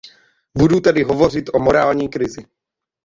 Budu tedy hovořit o morální krizi.